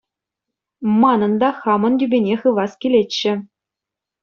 Манӑн та хамӑн тӳпене хывас килетчӗ.